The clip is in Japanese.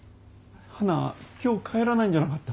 花今日帰らないんじゃなかった？